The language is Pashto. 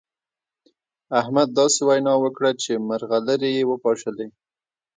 احمد داسې وينا وکړه چې مرغلرې يې وپاشلې.